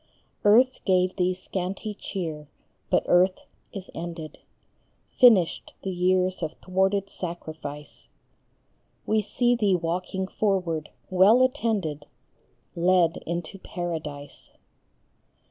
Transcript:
Earth gave thee scanty cheer, but earth is ended, Finished the years of thwarted sacrifice. We see thee walking forward, well attended, Led into Paradise